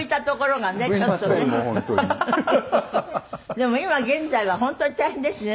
でも今現在は本当に大変ですね。